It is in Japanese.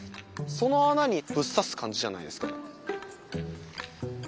その穴にぶっさす感じじゃないですか。